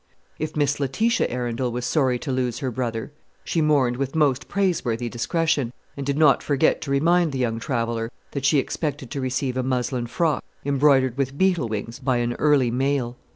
If Miss Letitia Arundel was sorry to lose her brother, she mourned with most praiseworthy discretion, and did not forget to remind the young traveller that she expected to receive a muslin frock, embroidered with beetle wings, by an early mail.